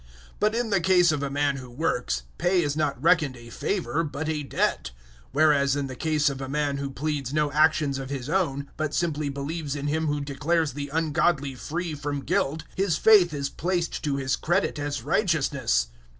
004:004 But in the case of a man who works, pay is not reckoned a favour but a debt; 004:005 whereas in the case of a man who pleads no actions of his own, but simply believes in Him who declares the ungodly free from guilt, his faith is placed to his credit as righteousness.